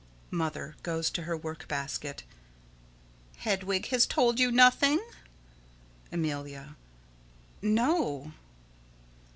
_ Mother: [Goes to her work basket.] Hedwig has told you nothing? Amelia: No.